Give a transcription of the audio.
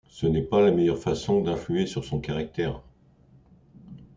Ce n'est pas la meilleure façon d'influer sur son caractère.